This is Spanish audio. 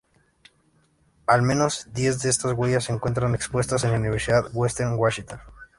Al menos diez de estas huellas se encuentran expuestas en la Universidad Western Washington.